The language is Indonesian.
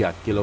banyak sih om